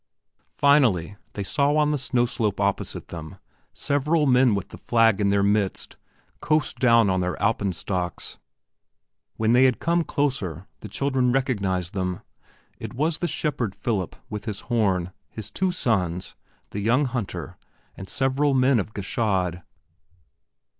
Finally they saw on the snow slope opposite them several men with the flag in their midst coast down on their Alpen stocks. When they had come closer the children recognized them. It was the shepherd Philip with his horn, his two sons, the young hunter, and several men of Gschaid.